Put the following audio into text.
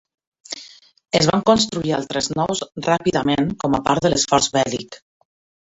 Es van construir altres nous ràpidament com a part de l'esforç bèl·lic.